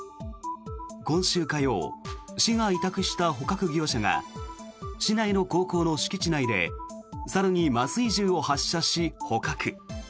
今週火曜市が委託した捕獲業者が市内の高校の敷地内で猿に麻酔銃を発射し、捕獲。